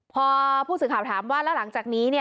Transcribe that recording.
พอผู้สื่อข่าวถามว่าแล้วหลังจากนี้